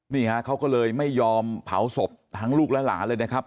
นี่ฮะเขาก็เลยไม่ยอมเผาศพทั้งลูกและหลานเลยนะครับ